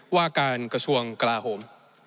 ว่าการกระชวงแกราฮหบ